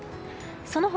その他